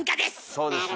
そうですね。